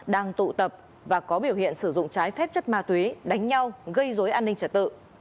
đang tụ tập và có biểu hiện sử dụng trái phép chất ma túy đánh nhau gây dối an ninh trật tự